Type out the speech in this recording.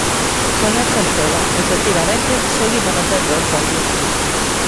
Señor Cerceda, efectivamente, seguímonos vendo hoxe aquí.